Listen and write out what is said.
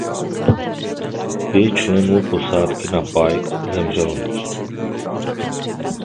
Pět členů posádky na "Pike" zemřelo.